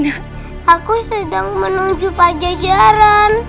aku sedang menuju pajajaran